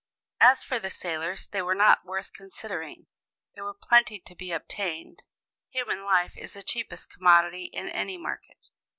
As for the sailors, they were not worth considering: there were plenty to be obtained. Human life is the cheapest commodity in any market.